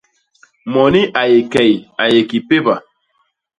Moni a yé key a yé ki péba.